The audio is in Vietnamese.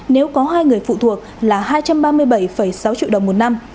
nếu có hai người phụ thuộc là hai trăm ba mươi bảy sáu triệu đồng một năm